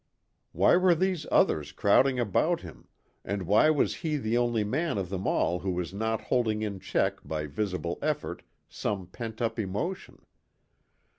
Why were these others crowding about him, and why was he the only man of them all who was not holding in check by visible effort some pent up emotion?